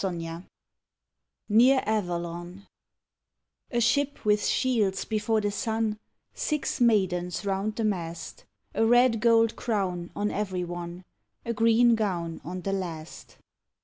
_ NEAR AVALON A ship with shields before the sun, Six maidens round the mast, A red gold crown on every one, A green gown on the last.